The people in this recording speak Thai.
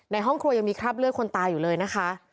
ห้องครัวยังมีคราบเลือดคนตายอยู่เลยนะคะ